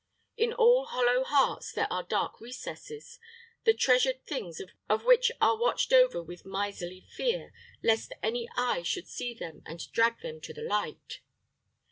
In all hollow hearts there are dark recesses, the treasured things of which are watched over with miserly fear, lest any eye should see them and drag them to the light.